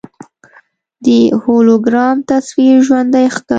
د هولوګرام تصویر ژوندی ښکاري.